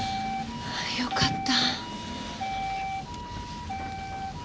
よかった。